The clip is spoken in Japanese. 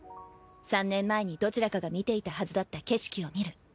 ３年前にどちらかが見ていたはずだった景色を見る。